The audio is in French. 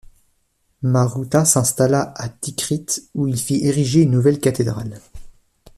Marutha s'installa à Tikrit où il fit ériger une nouvelle cathédrale.